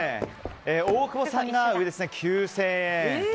大久保さんが９０００円。